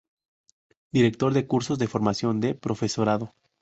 Director de cursos de formación de profesorado.